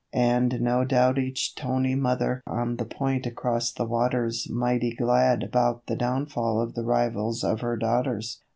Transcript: And no doubt each toney mother on the Point across the water's Mighty glad about the downfall of the rivals of her daughters.